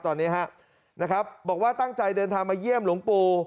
ตอนนี้ครับนะครับบอกว่าตั้งใจเดินทางมาเยี่ยมหลวงปู่